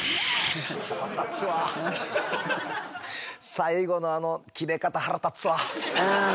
最後のあの切れ方腹立つわ。